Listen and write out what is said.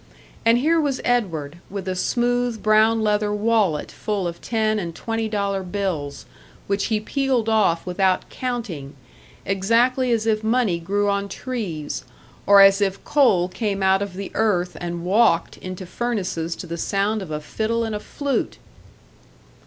And here was Edward, with a smooth brown leather wallet full of ten and twenty dollar bills, which he peeled off without counting, exactly as if money grew on trees, or as if coal came out of the earth and walked into furnaces to the sound of a fiddle and a flute!